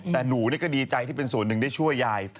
แต่หนูก็ดีใจที่เป็นส่วนหนึ่งได้ช่วยยาย